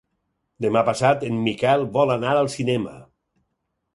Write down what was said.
Demà passat en Miquel vol anar al cinema.